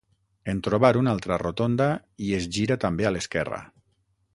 En trobar una altra rotonda i es gira també a l'esquerra.